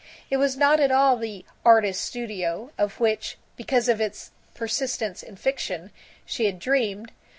It was not at all the "artist's studio" of which, because of its persistence in fiction, she had dreamed.